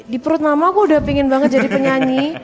di perut mama aku udah pingin banget jadi penyanyi